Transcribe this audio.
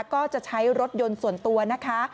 ก็จะใช้รถยนต์ส่วนตัวนะคะ